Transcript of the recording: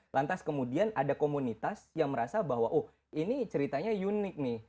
lantas kemudian ada komunitas yang merasa bahwa oh ini ceritanya unik nih